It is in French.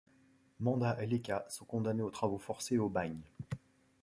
Manda et Leca sont condamnés aux travaux forcés et au bagne.